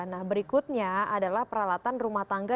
nah berikutnya adalah peralatan rumah tangga